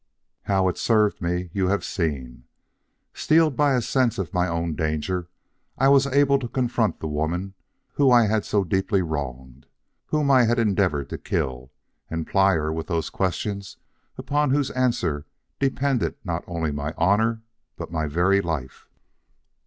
"How it served me, you have seen. Steeled by a sense of my own danger, I was able to confront the woman whom I had so deeply wronged, whom I had even endeavored to kill, and ply her with those questions upon whose answers depended not only my honor, but my very life.